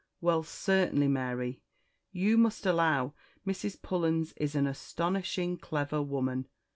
"Well, certainly, Mary, you must allow Mrs. Pullens is an astonishing clever woman!